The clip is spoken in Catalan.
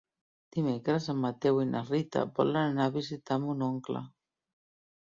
Dimecres en Mateu i na Rita volen anar a visitar mon oncle.